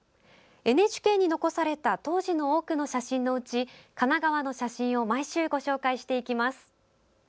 ＮＨＫに残された当時の多くの写真のうち神奈川の写真を毎週ご紹介していきます。